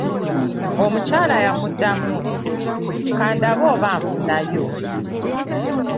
Omukyala yamuddamu nti:"kandabe oba nfunayo".